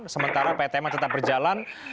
sementara ptm tetap berjalan